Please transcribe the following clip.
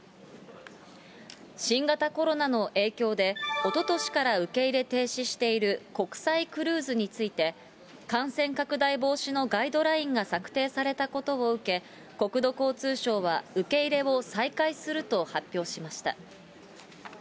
新型コロナの影響で、おととしから受け入れ停止している国際クルーズについて、感染拡大防止のガイドラインが策定されたことを受け、国土交通省は受け入れを再開すると発表しました。